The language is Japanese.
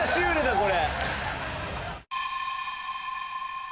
これ。